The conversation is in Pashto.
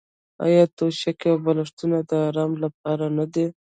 آیا توشکې او بالښتونه د ارام لپاره نه دي؟